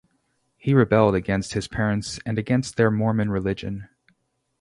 He rebelled against his parents and against their Mormon religion.